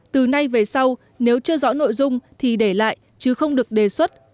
từ nay về sau nếu chưa rõ nội dung thì để lại chứ không được đề xuất